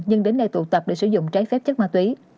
nhưng đến đây tụ tập để sử dụng trê phép chất ma túy